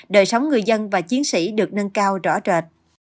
đời sống người dân và chiến sĩ được nâng cao rõ rệt